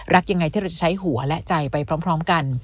ยังไงที่เราจะใช้หัวและใจไปพร้อมกัน